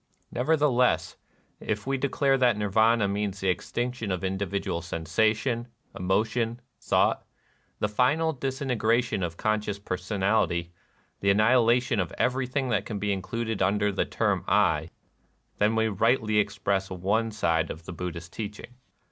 Nevertheless, if we declare that Nirvana means the extinction of individual sensation, emotion, thought, — the final disintegration of conscious personality, — the annihilation of everything that can be included under the term "I," — then we rightly express one side of the Buddhist teaching.